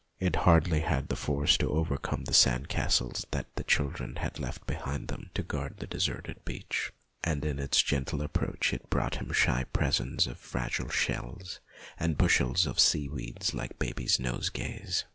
It hardly had the force to overcome the sand castles that the children had left behind them to guard the deserted beach, and in its gentle approach it brought him shy presents of fragile shells and bunches of seaweed like babies' nosegays.